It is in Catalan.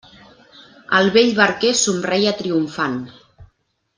El vell barquer somreia triomfant.